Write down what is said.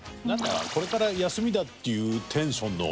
これから休みだっていうテンションのあれ。